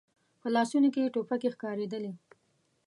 په لاسونو کې يې ټوپکې ښکارېدلې.